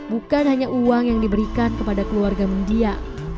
bukan hanya uang yang diberikan kepada keluarga mendia